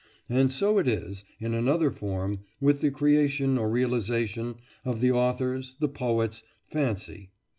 And so it is, in another form, with the creation or realisation of the author's, the poet's, fancy.